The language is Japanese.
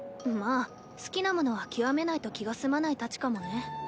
まあ好きなものは極めないと気が済まないタチかもね。